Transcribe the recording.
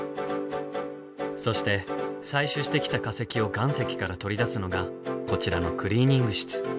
そして採取してきた化石を岩石から取り出すのがこちらのクリーニング室。